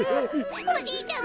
おじいちゃま。